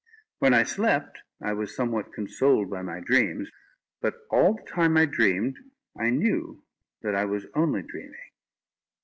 When I slept, I was somewhat consoled by my dreams; but all the time I dreamed, I knew that I was only dreaming.